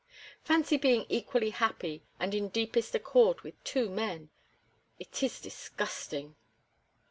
Fancy being equally happy and in deepest accord with two men. It is disgusting."